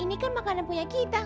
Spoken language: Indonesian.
ini kan makanan punya kita